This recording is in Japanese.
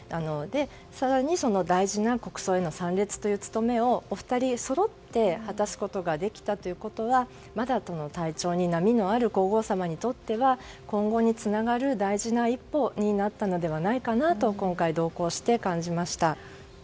更に大事な国葬への参列という務めをお二人そろって果たすことができたというのはまだ体調に波のある皇后さまにとっては今後につながる大事な一歩になったのではないかなと今回、同行して感じました。